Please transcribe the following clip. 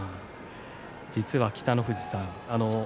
実は北の富士さん